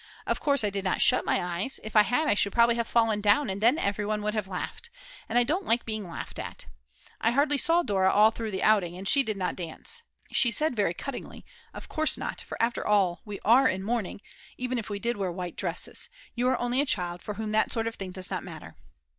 Of course I did not shut my eyes; if I had I should probably have fallen down, and then everyone would have laughed. And I don't like being laughed at. I hardly saw Dora all through the outing, and she did not dance. She said very cuttingly: "Of course not, for after all we are in mourning, even if we did wear white dresses; you are only a child, for whom that sort of thing does not matter."